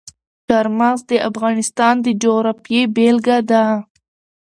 چار مغز د افغانستان د جغرافیې بېلګه ده.